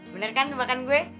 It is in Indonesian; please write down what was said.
bener kan tembakan gue